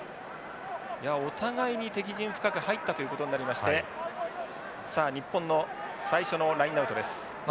お互いに敵陣深く入ったということになりましてさあ日本の最初のラインアウトです。